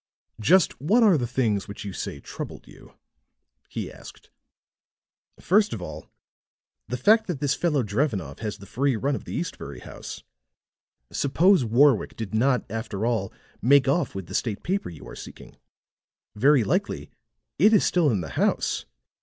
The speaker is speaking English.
"Just what are the things which you say troubled you?" he asked. "First of all, the fact that this fellow Drevenoff has the free run of the Eastbury house. Suppose Warwick did not, after all, make off with the state paper you are seeking. Very likely it is still in the house.